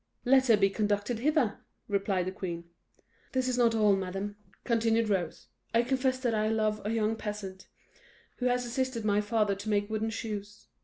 "Let her be conducted hither," replied the queen. "This is not all, madam," continued Rose; "I confess that I love a young peasant, who has assisted my father to make wooden shoes.